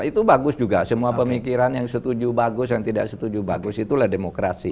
itu bagus juga semua pemikiran yang setuju bagus yang tidak setuju bagus itulah demokrasi